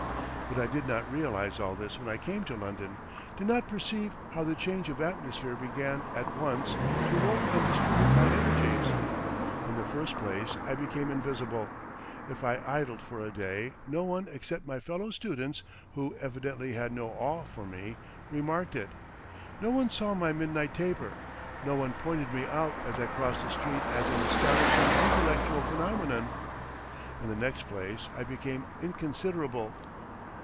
But I did not realise all this when I came to London, did not perceive how the change of atmosphere began at once to warp and distribute my energies. In the first place I became invisible. If I idled for a day, no one except my fellow students (who evidently had no awe for me) remarked it. No one saw my midnight taper; no one pointed me out as I crossed the street as an astonishing intellectual phenomenon. In the next place I became inconsiderable.